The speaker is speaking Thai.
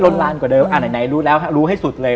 ล้นลานกว่าเดิมอาหารายไหนรู้ให้ซุดเลย